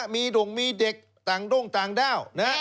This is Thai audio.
ด่งมีเด็กต่างด้งต่างด้าว